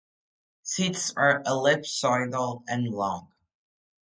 Seeds are ellipsoidal and long.